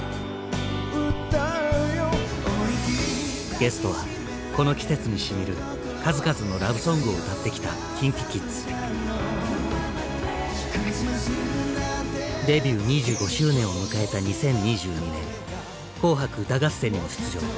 ゲストはこの季節にしみる数々のラブソングを歌ってきたデビュー２５周年を迎えた２０２２年「紅白歌合戦」に出場。